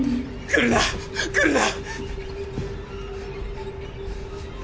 来るな。